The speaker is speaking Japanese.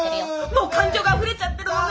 ・もう感情があふれちゃってるのね！